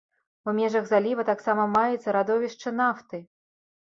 У межах заліва таксама маецца радовішча нафты.